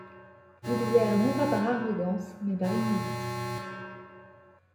Ils errent non par arrogance mais par ignorance.